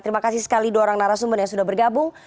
terima kasih sekali dua orang narasumber yang sudah bergabung